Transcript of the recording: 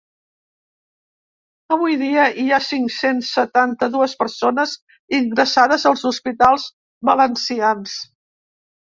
Avui dia hi ha cinc-cents setanta-dues persones ingressades als hospitals valencians.